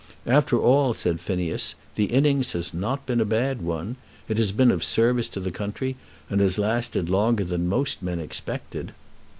"After all," said Phineas, "the innings has not been a bad one. It has been of service to the country, and has lasted longer than most men expected."